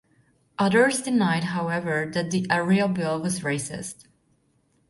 Others denied however that the Ariel Bill was racist.